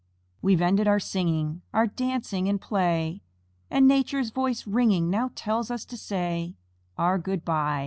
We've ended our singing, Our dancing, and play, And Nature's voice ringing Now tells us to say Our "Good by."